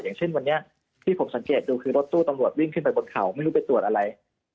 อย่างเช่นวันนี้ที่ผมสังเกตดูคือรถตู้ตำรวจวิ่งขึ้นไปบนเขาไม่รู้ไปตรวจอะไร